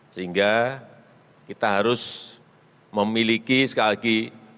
sehingga kita harus memiliki sekali lagi